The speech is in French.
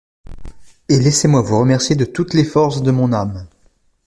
Et laissez-moi vous remercier de toutes les forces de mon âme…